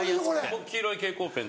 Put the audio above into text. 僕黄色い蛍光ペン